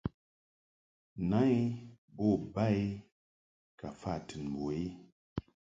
Na I bo ba I ka fa tɨn mbo i.